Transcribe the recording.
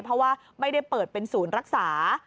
เพราะว่าไม่ได้เปิดเป็นศูนย์รักษา